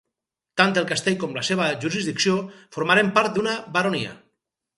Tant el castell com la seva jurisdicció formaren part d'una baronia.